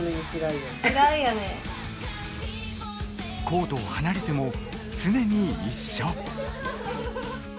コートを離れても常に一緒。